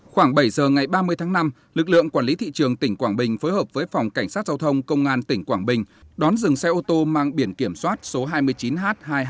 khoảng bảy giờ ngày ba mươi tháng năm lực lượng quản lý thị trường tỉnh quảng bình phối hợp với phòng cảnh sát giao thông công an tỉnh quảng bình đón dừng xe ô tô mang biển kiểm soát số hai mươi chín h hai mươi hai nghìn bốn trăm sáu mươi bảy